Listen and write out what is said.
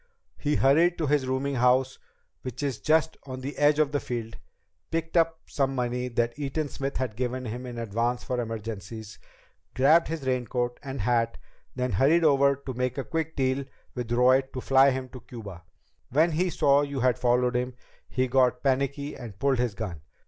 He hurried to his rooming house, which is just on the edge of the field, picked up some money that Eaton Smith had given him in advance for emergencies, grabbed his raincoat and hat, then hurried over to make a quick deal with Roy to fly him to Cuba. When he saw you had followed him, he got panicky and pulled his gun.